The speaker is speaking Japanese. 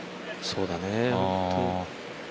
そうだね、本当に。